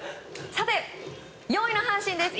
４位の阪神です。